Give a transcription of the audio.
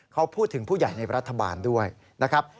เขาพูดถึงผู้ใหญ่ในรัฐบาลด้วยนะครับ